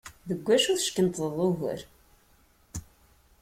Deg wacu teckenṭḍeḍ ugar?